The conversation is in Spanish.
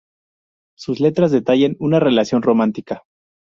Sus letras detallan una relación romántica.